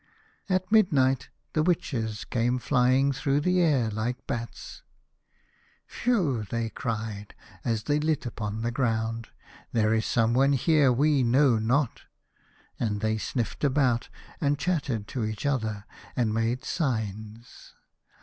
At midnight the witches came flying through the air like bats. " Phew !" they cried, as they lit upon the ground, "there is someone here we know not !" and they sniffed about, and chattered to each other, and made smns.